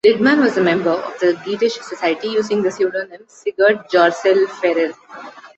Lidman was a member of the Geatish Society, using the pseudonym Sigurd Jorsalefarer.